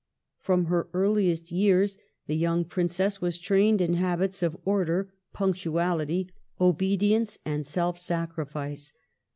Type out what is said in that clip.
From her earliest yeai*s the young Princess was trained in habits of order, punctuality, obedience, and self sacrifice.